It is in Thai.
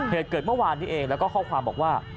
เหตุเกิดเมื่อวานนี้เองแล้วก็ข้อความบอกว่า